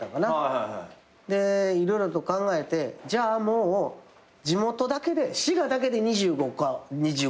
色々と考えてじゃあもう地元だけで滋賀だけで２５公演。